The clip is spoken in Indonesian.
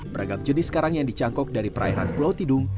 beragam jenis karang yang dicangkok dari perairan pulau tidung